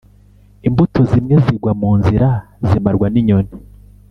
Imbuto zimwe zigwa munzira zimarwa n’inyoni